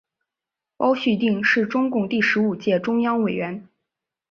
包叙定是中共第十五届中央委员。